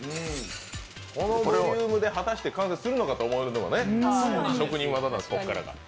このボリュームで果たして完成するのかというのが職人技なんです、ここからが。